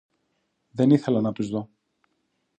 Δεν ήθελα να τους δω